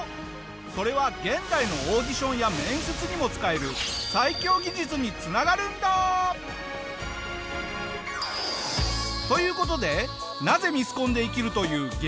それは現代のオーディションや面接にも使える最強技術に繋がるんだ！という事でなぜミスコンで生きるという激